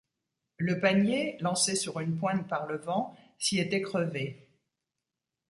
Le panier, lancé sur une pointe par le vent, s’y était crevé.